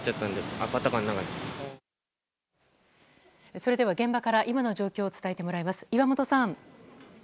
それでは現場から今の状況を伝えてもらいます。